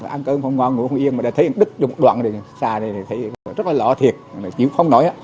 ăn cơm không ngon ngủ không yên mà đã thấy đứt đúng một đoạn xa này thấy rất là lỡ thiệt không nổi